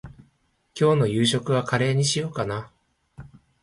今日の夕飯はカレーにしようかな。